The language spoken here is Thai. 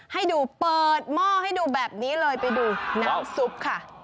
ให้ดูเปิดหม้อให้ดูแบบนี้เลยไปดูน้ำซุปค่ะ